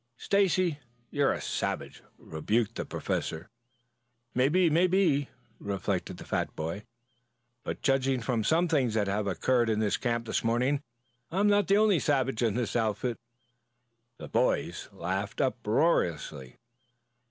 "Stacy! You are a savage!" rebuked the Professor. "Maybe, maybe," reflected the fat boy. "But judging from some things that have occurred in this camp this morning, I'm not the only savage in the outfit." The boys laughed uproariously.